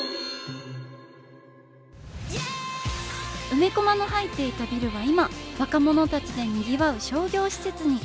梅コマの入っていたビルは今若者たちでにぎわう商業施設に。